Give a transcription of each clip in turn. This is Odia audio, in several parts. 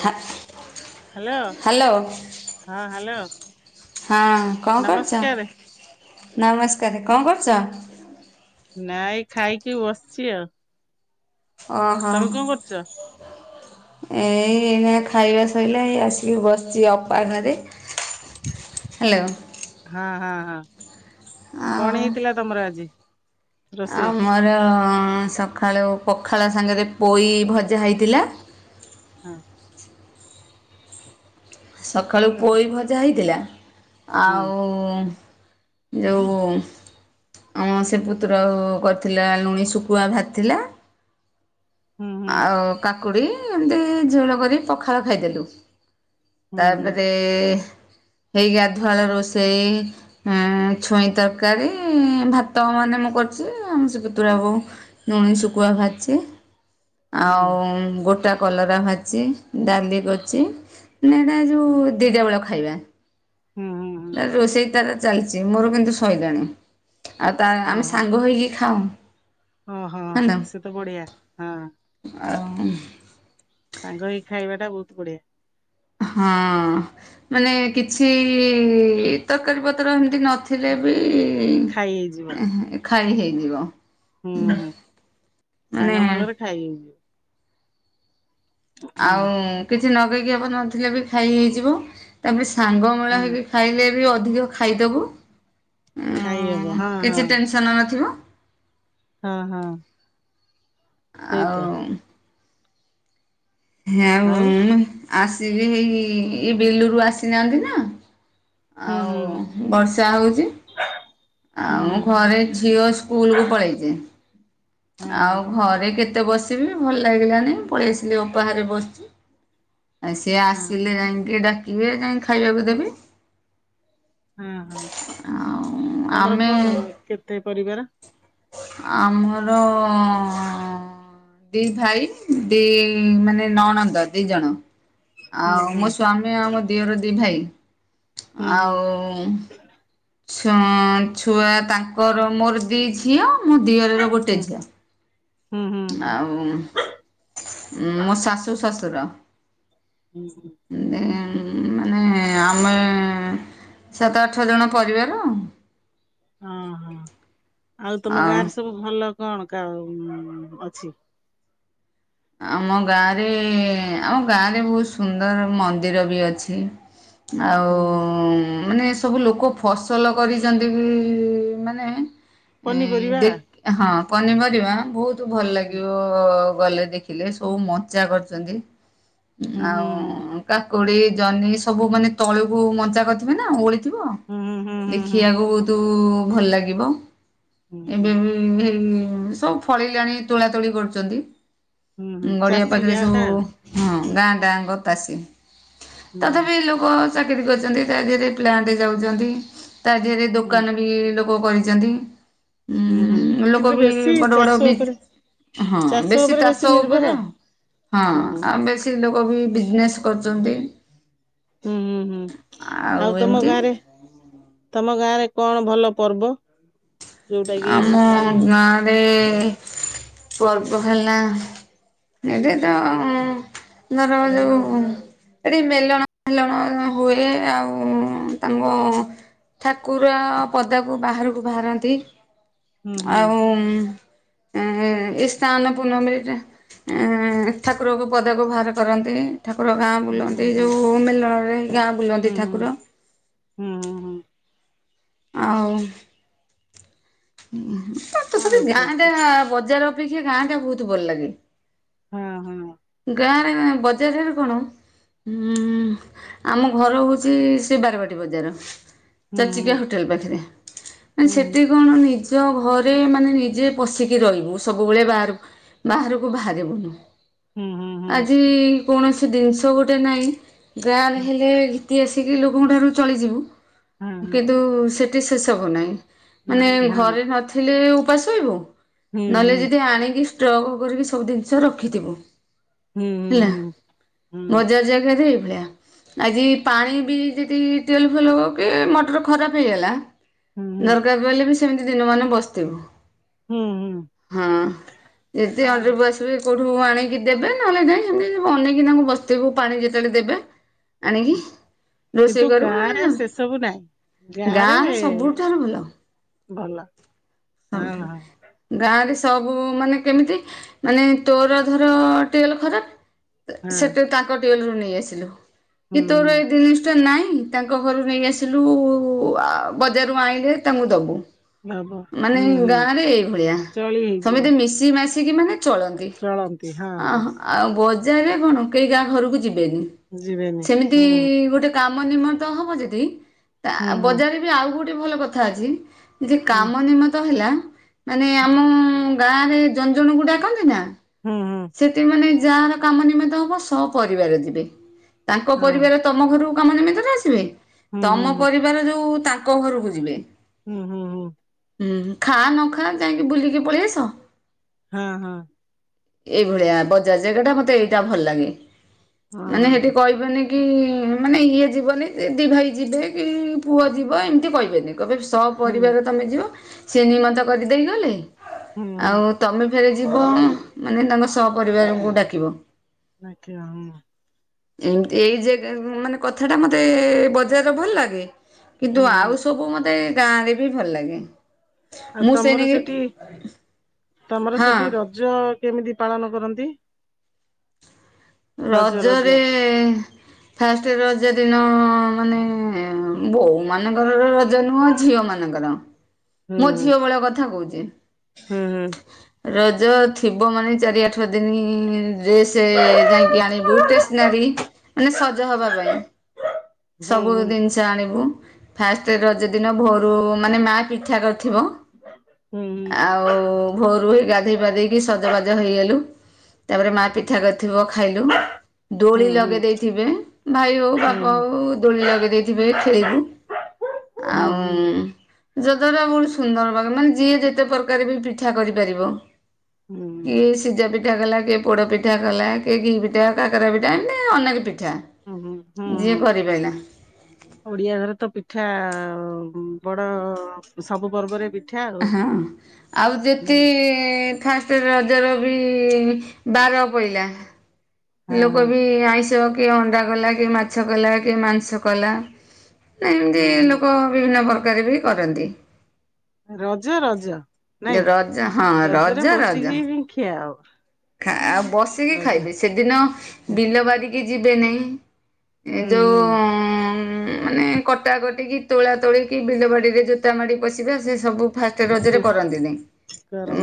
ହା ହ୍ୟାଲୋ। ହ୍ୟାଲୋ ହଁ ହ୍ୟାଲୋ। ହଁ କଣ କରୁଛ? ନମସ୍କାର ନମସ୍କାର, କଣ କରୁଛ? ନାଇଁ ଏଇ ଖାଇକି ବସିଛି ଆଉ। ଓହୋ। ତମେ କଣ କରୁଛ? ଏଇ ଏଇନା ଖାଇବା ସଇଲା, ଏଇ ଆସିକି ବସିଛି ଅପା ଘରେ। ହ୍ୟାଲୋ। ହଁ, ହଁ, ହଁ। କଣ ଆଉ ହେଇଥିଲା ତମର ଆଜି? ରୋଷେଇ? ଆମର ସକାଳୁ ପଖାଳ ସାଙ୍ଗରେ ପୋଇ ଭଜା ହୋଇଥିଲା। ହଁ। ସକାଳୁ ପୋଇ ଭଜା ହେଇଥିଲା। ହୁଁ ଆଉ ଯେଉଁ ଆମ ସେ ପୁତୁରା ବୋହୂ କରିଥିଲା ଲୁଣି ଶୁଖୁଆ ଭାଜିଥିଲା। ହୁଁ ହୁଁ ଆଉ କାକୁଡ଼ି, ଏମିତି ଝୋଳ କରି ପଖାଳ ଖାଇଦେଲୁ। ହୁଁ ହୁଁ ତାପରେ ହେଇ ଗାଧୁଆ ବେଳ ରୋଷେଇ ହଁ ଛୁଇଁ ତରକାରୀ, ଭାତ ମାନେ ମୁଁ କରିଛି। ଆମ ସେ ପତୁରାବୋହୂ ଲୁଣି ଶୁଖୁଆ ଭାଜିଛି, ହଁ ଆଉ ଗୋଟା କଲରା ଭାଜି ଜିଛି। ଡାଲି କରିଛି ନା ଏଟା ଯୋଉ ଦିଟା ବେଳ ଖାଇବା। ହୁଁ, ହୁଁ। ହୁଁ ତାର ରୋଷେଇ ତାର ଚାଲିଛି, ମୋର କିନ୍ତୁ ଶଇଲାଣି। ଆଉ ତା ଆମେ ଓହୋ। ସାଙ୍ଗ ହେଇକି ଖାଉ। ଓହୋ ହେଲା ସେ ତ ବଢିଆ। ହଁ ଆଉ। ସାଙ୍ଗ ହେଇ ଖାଇବା ଟା ବହୁତ ବଢିଆ। ହଁ ମାନେ କିଛି ତରକାରୀ ପତ୍ର ଏମିତି ନଥି ଥିଲେ‌ ବି ଏଇ ଖାଇ ହେଇଯିବ ଏଁ ଖାଇ ହେଇଯିବ। ହୁଁ, ମାନେ ଖାଇବିନି। ହୁଁ ଆଉ କିଛି ନଗେଇକି ହବ ନଥିଲେ ବି ଖାଇ ହେଇଯିବ। ତାପରେ ସାଙ୍ଗ ମେଳା ହଁ। ହେଇକି ଖାଇଲେ ବି ଅଧିକ ଖାଇଦବୁ। ଖାଇହବ ହ ହଁ ହଁ କିଛି ଟେନସନ ନଥିବ। ହଁ ହଁ। ସେଇତ ଆଉ। ହେଉ ଆଉ ମୁଁ ଆସିବି ହେଇ ଏଇ ବିଲୁରୁୁ ଆସିନାହାନ୍ତି ନା। ହୁଁ ହୁଁ ଆଉ ବର୍ଷା ହଉଛି। ହୁଁ ଆଉ ହୁଁ ମୁଁ ହୁଁ ଘରେ, ଝିଅ ସ୍କୁଲ କୁ ପଳେଇଛି। ହଁ ହଁ ଆଉ ଘରେ କେତେ ବସିବି, ଭଲ ଲାଗିଲାନି ପଳେଇ ଆସିଲି ଅପା ଘରେ ବସଚି। ଆଉ ସିଏ ହଁ। ଆସିଲେ ଯାଇଁ ଟିକେ ଡାକିବେ ଯାଇଁ ଖାଇବାକୁ ଦେବି। ହଁ ହଁ ଆଉ ତମର ଆମେ କଣ କେତେ ପରିବାର? ଆମର ଦି ଭାଇ ଦି ମାନେ ନଣନ୍ଦ ଦି ଜଣ। ହୁଁ ଆଉ ହୁଁ ମୋ ସ୍ଵାମୀ ଆଉ ମୋ ଦିଅର ଦି ଭାଇ। ହୁଁ ହୁଁ ଆଉ ଛ ଛୁଆ ତାଙ୍କର ମୋର ଦି ଝିଅ ମୋ ଦିଅର ର ହୁଁ ଗୋଟେ ଝିଅ। ହୁଁ ହୁଁ। ହୁଁ। ଆଉ ମୋ ଶାଶୁ ଶଶୁର। ହୁଁ ହୁଁ। ଏଁ ମାନେ ଆମେ ସାତ ଆଠ ଜଣ ପରିବାର। ହଁ ହଁ। ଆଉ ତମ ଗାଁରେ ସବୁ ଭଲ କଣ କ ଅଛି? ଆମ ଗାଁରେ ଆମ ଗାଁରେ ବହୁତ ସୁନ୍ଦର ମନ୍ଦିର ବି ଅଛି। ଆଉ ହୁଁ ମାନେ ସବୁ ଲୋକ ଫସଲ କରିଛନ୍ତି କି ମାନେ ପନିପରିବା? ଦେ ହଁ ପନିପରିବା ବହୁତ ଭଲ ହୁଁ ଲାଗିବ ଗଲେ ଦେଖି ଥିଲେ ସବୁ ମଜା କରିଛନ୍ତି। ହୁଁ ହୁଁ ହୁଁ। ଆଉ କାକୁଡି ଜହ୍ନି ସବୁ ମାନେ ତଳକୁ ମଜା କରିଥିବେ ନା ଓହ ଥିବ। ହୁଁ ହୁଁ ହୁଁ ହୁଁ ହୁଁ ଦେଖିବାକୁ ବହୁତ ଭଲ ଲାଗିବ ହୁଁ ଏବେ ହୁଁ ବି ହେଇ ସବୁ ଫଳିଲାଣି ତୋଳା ତୋଳି କରୁଛନ୍ତି। ହୁଁ ହୁଁ ଗଡିଆ ଚାଷୀ ପାଖରେ ଗାଁ ଟା ସବୁ ଆଉ ହଁ ଗାଁ ଟାଁ ଗ ଚାଷୀ ହୁଁ ହୁଁ। ତଥାପି ଲୋକ ଲୋକ ଚାକିରି କରିଛନ୍ତି ତା ଦେହରେ ପ୍ଲାଣ୍ଟ ଯାଉଛନ୍ତି ତା ଦେହରେ ହୁଁ ଦୋକାନ ବି କୂଅ କହିଛନ୍ତି। ହୁଁ ହୁଁ ଉଁ ଲୋକ କିନ୍ତୁ ବି ବେଶୀ ବଡ ଚାଷ ବଡ ବି ଉପରେ ହଁ ଚାଷ ବେଶୀ ଉପରେ ତାଷ କ ନିର୍ଭର। କହିଲେ ହଁ ହୁଁ ହୁଁ ହୁଁ ଆଉ ବେଶୀ ଲୋକ ବି ବିଜନେସ କରୁଛନ୍ତି। ହୁଁ ହୁଁ ହୁଁ ଆଉ ତମ ଗାଁରେ ତମ ଗାଁରେ କଣ ଭଲ ପର୍ବ? ଯୋଉଟା କି ଆମ ଗାଁ ରେ ପର୍ବ ହେଲା ଏଇ ତ ଧର ଯଉ ଏଠି ମେଲଣ ଫେଲଣ ହୁଏ ଆଉ ତାଙ୍କ ଠାକୁର ପଦାକୁ ବାହାରକୁ ବାହାରନ୍ତି। ହୁଁ ହୁଁ ଆଉ ଏଇ ସ୍ନାନ ପୁନମିରେ ଏଁ ଠାକୁରଙ୍କୁ ପଦାକୁ ବାହାର କରନ୍ତି। ଠାକୁର ଗାଁ ହୁଁ ହୁଁ ବୁଲନ୍ତି ହୁଁ। ଯେଉଁ ମେଲଣରେ ଗାଁ ହୁଁ ବୁଲନ୍ତି ହୁଁ ଠାକୁର। ହୁଁ ହୁଁ ହୁଁ। ଆଉ, ତଥାପି ଆଉ ଗାଁ ପଶୁ ରେ ବଜାର ଅପେକ୍ଷା ଗାଁ ଟା ବହୁତ ଭଲ ଲାଗେ। ହୁଁ ହୁଁ। ଗାଁରେ ମା ବଜାର ରେ କଣ? ହଁ ଆମ ଘର ହଉଛି ସେ ବାରବାଟୀ ବଜାର ହୁଁ ଚଚିକିଆ ହୋ ହୋଟେଲ ପାଖରେ। ମାନ ହୁଁ ସେଠି କଣ ନିଜ ଘରେ ମାନେ ନିଜେ ପଶିକି ରହିବୁ ସବୁବେଳେ ବାହାର ବାହାରକୁ ବାହାର ବୁନୁ ହୁଁ ହୁଁ ହୁଁ ଆଜି କୌଣସି ଜିନିଷ ଗୋଟେ ନାଇଁ ବ୍ୟାଲ ହୁଁ ହେଲେ ତି ଆସିକି ଲୋକଙ୍କଠାରୁ ଚଳିଯିବୁ ହଁ ହଁ। କିନ୍ତୁ ସେଠି ସେ ସବୁ ନାହିଁ ମାନେ ନାଇଁ ହଁ ଘରେ ନଥିଲେ ଉପାସୋଇବୁ, ହୁଁ ନହେଲେ ଯଦି ଆଣିକି ଷ୍ଟଗ କରିକି ସବୁ ଜିନିଷ ରଖିଥିବୁ। ହୁଁ। ହୁଁ ହେଲା ହୁଁ ହୁଁ ବଜାର ଜାଗାରେ ଏଇଭଳିଆ। ଆଜି ପାଣି ବି ଯଦି ତେଲ ଫୁଲ ହବକି ମଟର ଖରାପ ହେଇଗଲା ହୁଁ ହୁଁ ଦରକାର ପଇଲେ ବି ସେମିତି ଦିନ ମାନ ବସିଥିବୁ। ହୁଁ ହୁଁ ହଁ। ଯେତେ ଆହୁରି ହଁ ବୟସ କୋଉଠୁ ଆଣିକି ଦେବେ ନହେଲେ ଯାଇ ସେମିତି ଅନେଇକି ତାଙ୍କୁ ବସିଥିବୁ ପାଣି ଯେତେବେଳେ ଦେବେ। ଆଣିକିି କିନ୍ତୁ ରୋଷେଇ କରୁବୁ ଗାଁ ରେ ନ ସେ ସବୁ ନାଇଁ। ଗାଁ ସବୁଠାରୁ ଭଲ ଭଲ ହଁ ହଁ ସବୁଠାରୁ। ଗାଁ ରେ ସବୁ ମାନେ କେମିତି ମାନେ ତୋର ଧର ଟିୱଲେ ଖରାପ ହଁ ସେଠି ତାଙ୍କ ଟିୱଲେ ରୁ ନେଇ ଆସିଲୁ ହୁଁ କି ହୁଁ ତୋର ଏଇ ଜିନିଷ ତ ନାଇଁ ତାଙ୍କ ଘରୁ ନେଇ ଆସିଲୁ ବଜାରରୁ ଆଣିଲେ ତାଙ୍କୁ ଦବୁ। ହବ ମାନେ ହୁଁ ହୁଁ ଗାଁ ରେ ଏଇଭଳିଆ ଚଳି ହେଇଯିବ ସମେତି ମିଶିମାଶି ମିିଶିକି ମାନେ ଚଳନ୍ତି ଚଳନ୍ତି ହଁ ହଁ ଅ ଆଉ ବଜାରରେ କଣ କେହି ଗାଁ ଘରକୁ ଯିବେନି। ଯିବେନି। ଏମିତି ହୁଁ ଗୋଟେ କାମ ନିମନ୍ତ ହବ ଯଦି ତା ହୁଁ ହୁଁ ବଜାରରେ ବି ଆଉ ଗୋଟେ ଗୋଟେ ଭଲ କଥା ଅଛି ଯେ ହୁଁ କାମ ନିମନ୍ତ ହେଲା ମାନେ ଆମ ଗାଁ ରେ ଜଣ ଜଣଙ୍କୁ ଡାକନ୍ତି ନା? ହୁଁ ହୁଁ। ସେଠି ମାନେ ଯାହାର କାମ ନିମନ୍ତ ହବ ସ ପରିବାର ଯିବେ ତାଙ୍କ ହଁ ପରିବାର ତମ ଘରକୁ କାମ ନିମନ୍ତ ରେ ଆସିବେ ହୁଁ ହୁଁ ତମ ହୁଁ ପରିବାର ଯୋଉ ତାଙ୍କ ଘରକୁ ଯିବେ। ହୁଁ ହୁଁ। ହୁଁ ହୁଁ ଖା ନଖାଅ ଯାଇକି ବୁଲିକି ପଳେଇ ଆସ। ହଁ ହଁ। ଏଇଭଳିଆ ବଜାର ଜାଗା ଟା ମତେ ଏଇଟା ଭଲ ଲାଗେ ମାନେ ହେଠି ହଁ କହିବେନି କି ମାନେ ଇଏ ଯିବନି ଦିଇ ଭାଇ ଯିବେ କି ପୁଅ ଯିବ ଏମିତି କହିବେନି। କହିବେ ହୁଁ ସପରିବାର ତମେ ଯିବ ସେନିମନ୍ତ କରିଦେଇ ଗଲେ ହୁଁ ଆଉ ତମେ ଫେରେ ଯିବ ମାନେ ତାଙ୍କ ସହ ପରିବାରଙ୍କୁ ଡାକିବ। ଆଜ୍ଞା ହଁ। ଏମିତି ଏଇ ଯେ ମାନେ କଥା ଟା ମତେ ବଜାରର ଭଲ ଲାଗେ କିନ୍ତୁ, ହୁଁ ହୁଁ ଆଉ ସବୁ ମତେ ଗାଁ ରେ ବି ଭଲ ଲାଗେ। ଆଉ ମୁଁ ସେଇ ତମର ନାଗି ସେଠି ତମର ହଁ ସେଠି ରଜ କେମିତି ପାଳନ କରନ୍ତି? ରଜ ରଜ ରଜରେ ଫାଷ୍ଟ ରଜ ଦିନ ମାନେ ବୋଉ ମାନଙ୍କର ରଜ ନୁହଁ ଝିଅ ମାନଙ୍କର। ହୁଁ ତାଙ୍କର ମୋ ଝିଅ ବେଳ କଥା କହୁଛି। ହୁଁ ରଜ ଥିବ ମାନେ ଚାରି ଆଠ ଦିନି ଡ୍ରେସ ଯାଇକି ଆଣିବୁ ଟେସନାରୀ ମାନେ ସଜ ହବା ପାଇଁ ସବୁ ହୁଁ ଜିନିଷ ଆଣିବୁ ଫାଷ୍ଟ ରଜ ଦିନ ଭୋରୁ ମାନେ ମା ପିଠା କରିଥିବ। ହୁଁଉଁ। ଆଉ ଭୋରୁ ଗାଧୋଇପାଧେଇକି ସଜବାଜ ହେଇଗଲୁ ତାପରେ ମାଆ ପିଠା କରିଥିବ। ଖାଇଲୁ ଦୋଳି ହୁଁ ଲଗେଇ ହୁଁ ଦେଇଥିବେ ଭାଇ ହଉ ହୁଁ ବାପା ହଉ। ଦୋଳି ଲଗେଇ ଦେଇଥିବେ ଖେଳିବୁ ହୁଁ ହୁଁ ହୁଁ ଆଉ ହୁଁ ଯଦ୍ଵାରା ବହୁ ସୁନ୍ଦର ପାଗ ମାନେ ଯିଏ ଯେତେ ପ୍ରକାର ବି ପିଠା କରିପାରିବ। ହୁଁ କିଏ ସିଝାପିଠା କଲା କିଏ ପୋଡପିଠା କଲା। ଇଟିଲିପିଠା, କାକରାପିଠା ଏମତି ଅନେକ ପିଠା। ଉଁହୁଁ ହୁଁ ହୁଁ। ଯିଏ କରିପାରିଲା ଓଡିଆ ଘରେ ତ ପିଠା ବଡ ସବୁ ପର୍ବରେ ପିଠା। ଆଉ ହଁ ଆଉ ହୁଁ ଯେତି ଫାଷ୍ଟ ରଜର ବି ବାର ପଇଲା ହଁ ଲୋକ ହଁ ବି ଆଇଁଷ କିଏ ଅଣ୍ଡା କଲା କିଏ ମାଛ କଲା କିଏ ମାଂସ କଲା। ନାହିଁ ସେମିତି ହଁ ହଁ ଲୋକ ବିଭିନ୍ନ ପ୍ରକାର ବି କରନ୍ତି। ରଜ ରଜ ନାଇଁ ରଜ ହଁ ରଜରେ ରଜ ରଜ ବସିକି ହିଁ ଖିଆହବ। ଆଉ ବସିକି ଖାଇବେ ସେଦିନ ବିଲ ବାରିକି ଯିବେ ନେଇ। ହୁଁ ଏଯଉ। ହୁଁ ମାନେ କଟା କଟିକି ତୋଳା ତୋଳିକି ବିଲ ବାଡ଼ିରେ ଜୋତା ମାଡ଼ି ପଶିବା ସେ ସବୁ ଫାଷ୍ଟ ରଜରେ ସେ କରନ୍ତି ନେଇ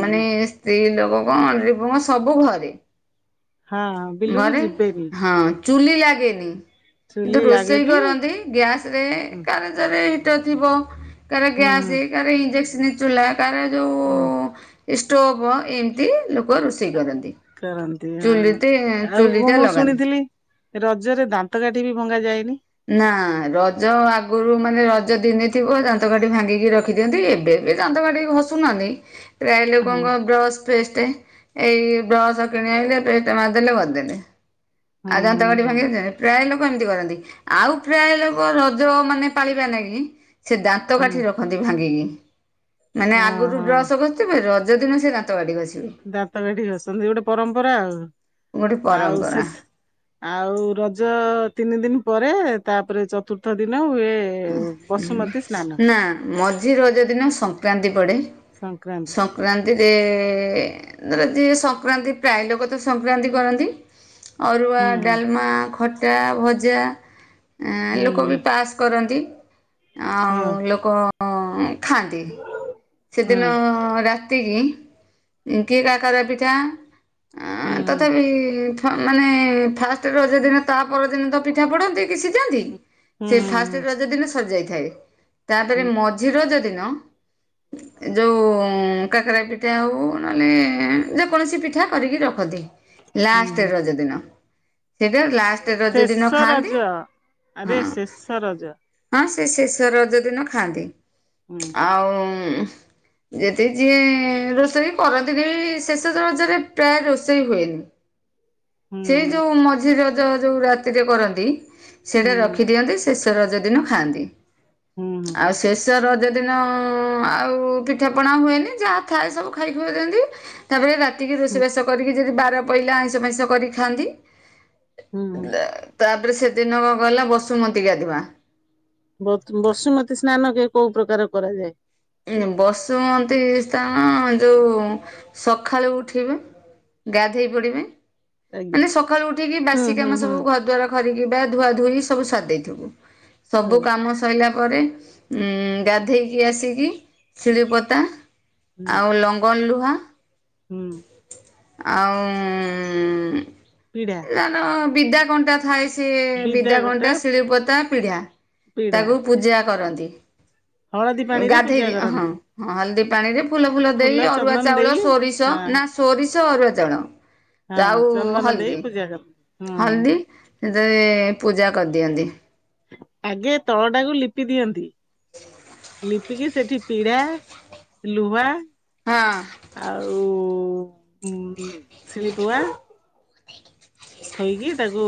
ମାନେ ସ୍ତ୍ରୀ ଲୋକ କଣ ଅଣ୍ଡିରୀ ପୁଅ କଣ, ସବୁଘରେ ହଁ ବିଲକୁ ଘରେ ଯିବେନି ହଁ ଚୁଲି ଲାଗେନି। କିନ୍ତୁ ଚୁଲି ରୋଷେଇ ଲାଗେନି କରନ୍ତି ଗ୍ୟାସ ରେ ହୁଁ କାରଜାର ଏଇ ହିଟର ଥିବ କାର ଗ୍ୟାସ ହୁଁ କାର ଇଂଡଏକ୍ସନ ଚୁ୍ଲା କାର ହୁଁ ଯଉ ଷ୍ଟୋଭ୍ ଏମିତି ଲୋକ ରୋଷେଇ କରନ୍ତି। କରନ୍ତି ହଁ ଚୁଲିଟି ଆଉ କଣ ଚୁଲିଟା ମୁଁ ଲଗାନ୍ତି ଶୁଣିଥିଲି ରଜରେ ଦାନ୍ତ କାଠି ବି ଭଙ୍ଗା ଯାଏନି। ନା ରଜ ଆଗରୁ ମାନେ ରଜ ଦିନେ ଥିବ ଦାନ୍ତକାଠି ଭାଙ୍ଗିକି ରଖନ୍ତି। ରଖିଦିଅନ୍ତି ଏବେ ଏବେ ଦାନ୍ତ କାଠି ଘସୁନାହାନ୍ତି ପ୍ରାୟ ହଁ ଲୋକଙ୍କ ବ୍ରସ୍ ପେଷ୍ଟ ଏଇ ବ୍ରସ କିଣ ଆଣିଲେ ପେଷ୍ଟ ମାରିଦେଲେ ଘଷିଦେଲେ। ହୁଁ ଆଉ ଦାତା କାଠି ହୁଁ ଭାଙ୍ଗନ୍ତି ପ୍ରାୟ ଲୋକ ଏମିତି କରନ୍ତି। ଆଉ ପ୍ରାୟ ଲୋକ ରଜ ମାନେ ପାଳିବା ନାଇ କି ସେ ଦାନ୍ତ ହଁ କାଠି ରଖନ୍ତି ଭାଙ୍ଗିକି। ମାନେ ହଁ ଆଗରୁ ହଁ ଡ୍ରସ ଖସିଥିବେ ରଜ ଦିନ ସେ ଦାନ୍ତ କାଠି ଘସିବେ। ଦାନ୍ତ କାଠି ବସନ୍ତି ଗୋଟେ ପରମ୍ପରା ଆଉ ଗୋଟେ ଆଉ ସେ ପରମ୍ପରା ଆଉ ରଜ ତିନି ଦିନ ପରେ ତାପରେ ଚତୁର୍ଥ ଦିନ ହୁଏ ବସୁମତୀ ସ୍ନାନ ନା ମଝି ରଜ ଦିନ ସଂକ୍ରାନ୍ତି ପଡେ। ସଂକ୍ରାନ୍ତି ସଂକ୍ରାନ୍ତିରେ ଧର ଯି ସଂକ୍ରାନ୍ତି ପ୍ରାୟ ଲୋକ ତ ସଂକ୍ରାନ୍ତି କରନ୍ତି। ଅରୁଆ ହୁଁ ହୁଁ ଡାଲମା ଖଟା ଭଜା ଲୋକ ହୁଁ ବି ପାସ୍ କରନ୍ତି ହୁଁ ଆଉ ଲୋକ ଖାଆନ୍ତି ହଁ ହଁ ସେଦିନ ର ଏତିକି କି କାକରା ପିଠା ହୁଁ ଆଁ ତଥାପି ହଁ ମାନେ ଫାଷ୍ଟ ରଜ ଦିନ ତା ପରଦିନ ତ ପିଠା ପଢନ୍ତି କି ସିଝାନ୍ତି। ହୁଁ ସେ ହୁଁ ଫାଷ୍ଟ ହୁଁ ରଜ ଦିନ ସରିଯାଇଥାଏ ତାପରେ ହୁଁ ମଝି ରଜ ଦିନ ଯୋଉ କାକରା ପିଠା ହୋଉ ନହେଲେ ଯେକୌଣସି ପିଠା କରିକି ରଖନ୍ତି। ହୁଁ ଲାଷ୍ଟ ହୁଁ ରଜ ଦିନ। ସେଇଟା ଲାଷ୍ଟ ରଜ ଦିନ ଶେଷ ରଜ ଖାଆନ୍ତି ଆରେ ହଁ। ଶେଷ ରଜ। ହଁ ସେ ଶେଷ ରଜ ଦିନ ଖାଆନ୍ତି। ହୁଁ। ଆଉ ଯଦି ଯିଏ ରୋଷେଇ କରନ୍ତି ଶେଷ ରଜରେ ପ୍ରାୟ ରୋଷେଇ ହୁଏନି। ସେଇ ହୁଁ ଯୋଉ ମଝି ରଜ ଯୋଉ ରାତିରେ କରନ୍ତି ସେଇଟା ହୁଁ ରଖିଦିଅନ୍ତି ସେ ଶେଷ ରଜ ଦିନ ଖାଆନ୍ତି ହୁଁ ହୁଁ। ଆଉ ଶେଷ ରଜ ଜ ଦିନ ଆଉ ପିଠା ପଣା ହୁଏନି ଯାହା ଥାଏ ସବୁ ଖାଇକି ଦିଅନ୍ତି। ତାପରେ ରାତି କାଟିକି ହୁଁ ରୋଷେଇବାସ କରିକି ଯଦି ବାର ପଇଲା ଆଇଁଷ ଫଇଁଷ କରି ଖାଆନ୍ତି। ହୁଁ ହୁଁ ତାପରେ ସେଦିନ କଣ ଗଲା ବସୁମତି ଗାଧୁଆ। ବସୁମତୀ ସ୍ନାନ କି କୋଉ ପ୍ରକାର କରାଯାଏ? ବସୁମନ୍ତୀ ସ୍ଥାନ ଯଉ ସକାଳୁ ଉଠିବେ। ଗାଧେଇ ପଡିବେ ଆଜ୍ଞା ମାନେ ସକାଳୁ ଉଠିକି ହୁଁ ବାସି ହୁଁ କାମ ହୁଁ ସବୁ ଘର ଦ୍ୱାର। ଖରିକି ବା ଧୁଆ ଧୁଇ ସବୁ ସାରି ଦେଇଥିବୁ ହୁଁ ସବୁ କାମ। ସୋଇଲା ପରେ ଉଁ ଗାଧେଇକି ଆସିକି ଶିଳି ପତା ହୁଁ ଆଉ ଲଙ୍ଗନ ଲୁହା। ହୁଁ। ଆଉ ପୀଡ଼ା। ନା ନ ବିଦ୍ୟା କଣ୍ଟା ଥାଏ ସେ ବିଦା କଣ୍ଟା ଶିଳା ପତା ପିଢା। ପିଢା ତାକୁ ପୂଜା କରନ୍ତି। ହଳଦୀ ପାଣି ରେ ଗାଧେଇ ଦି ପୂଜା ହଁ କରନ୍ତି। ହଁ ହଳଦୀ ପାଣିରେ ଫୁଲ ଫୁଲ ଦେଇ ଅରୁଆ ଚନ୍ଦନ ଚାଉଳ ଦେଇ ସୋରିଷ ହଁ ନା ସୋରିଷ ଅରୁଆ ଚାଉଳ। ହଁ ଆଉ ଚନ୍ଦନ ଦେଇ ହଳଦୀ ପୂଜା କରନ୍ତି। ହଁ ହଳଦୀ। ସେତେରେ ପୂଜା କରିଦିଅନ୍ତି। ଆଗେ ତଳ ଟାକୁ ଲିପି ଦିଅନ୍ତି। ଲିପିକି ସେଠି ପିଢା ଲୁହା ହଁ। ଆଉ ଶିଳିପୁଆ। ଥୋଇକି ତାକୁ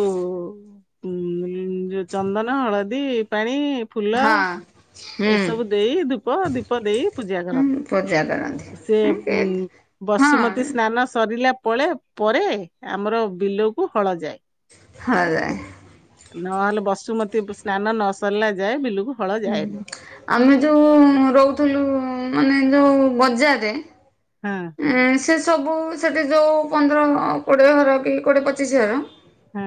ଚନ୍ଦନ ହଳଦୀ ପାଣି ଫୁଲ ହଁ ହୁଁ ଏସବୁ ଦେଇ ଧୂପ ଦୀପ ଦେଇ ପୂଜା କର। ହୁଁ ପୂଜା କରନ୍ତି। ସେ ବସୁମତୀ ହଁ ସ୍ନାନ ସରିଲା ପଳେ ପରେ ଆମର ବିଲକୁ ହଳ ଯାଏ। ହଳ ଯାଏ। ନହେଲେ ବସୁମତୀ ସ୍ନାନ ନ ସରିଲା ଯାଏ ବିଲକୁ ହଳ ଉଁ ଯାଏନି ହୁଁ ଆମେ ଯୋଉ ରହୁଥିଲୁ ମାନେ ଯୋଉ ବଜାରରେ। ହଁ। ଉଁ ସେ ସବୁ ସେଟି ଜୋଉ ପନ୍ଦର କୋଡ଼ିଏ ଘର କି କୋଡ଼ିଏ ପଚିଶ ଘର ହୁଁ।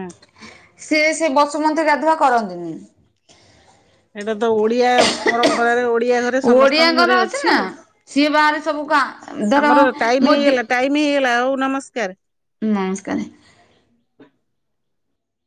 ସେ ସେ ବସୁମତୀ ଗାଧୁଆ କରନ୍ତିନି। ଏଇଟା ତ ଓଡିଆ ପରମ୍ପରାରେ ଓଡିଆ ଘରେ ସମସ୍ତଙ୍କ ଓଡିଆଙ୍କର ଘରେ ନା ଅଛି ସିଏ ବାହାରେ ସବୁ କା ଧର ଆମର ଟାଇମ ମୋ ହେଇଗଲା ଟାଇମ ହେଇଗଲା ହଉ ନମସ୍କାର। ନମସ୍କାରେ।